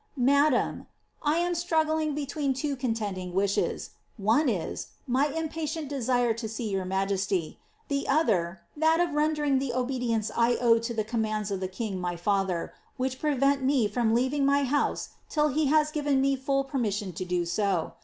Madame, I am struggling between two contending wishes — one is — my impatient desire to see your majesty, the other that of rendering the obedience I owe to the commands of the king my father, which prevent me from leaving my house till he has given me full permission to do so.